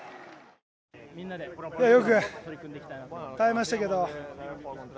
よく耐えましたけど。